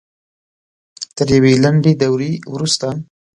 تر یوې لنډې دورې وروسته